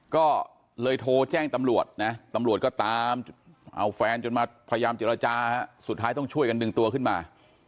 ก็เลยโทรแจ้งตำรวจนะตำรวจก็ตามเอาแฟนจนมาพยายามเจรจาสุดท้ายต้องช่วยกันดึงตัวขึ้นมา